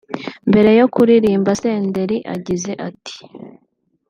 Mbere yo kuririmba Senderi agize ati